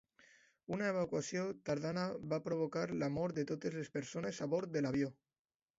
Una evacuació tardana va provocar la mort de totes les persones a bord de l'avió.